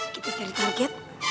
kita cari target